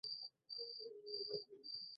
তিনি একজন প্রতিষ্ঠিত সাহিত্যিক ছিলেন ।